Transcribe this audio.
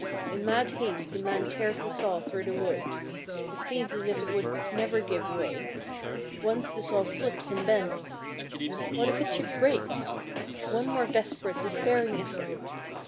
In mad haste the man tears the saw through the wood. It seems as if it would never give way. Once the saw slips and bends. What if it should break! One more desperate, despairing effort.